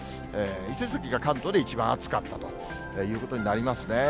伊勢崎が関東で一番暑かったということになりますね。